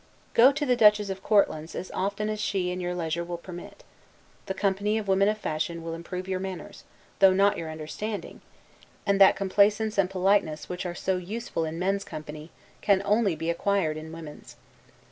Go to the Duchess of Courland's as often as she and your leisure will permit. The company of women of fashion will improve your manners, though not your understanding; and that complaisance and politeness, which are so useful in men's company, can only be acquired in women's.